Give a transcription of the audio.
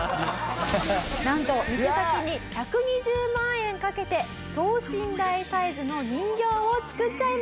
なんと店先に１２０万円かけて等身大サイズの人形を作っちゃいました。